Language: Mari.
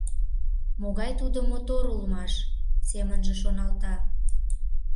«Могай тудо мотор улмаш!» — семынже шоналта.